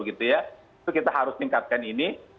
itu kita harus tingkatkan ini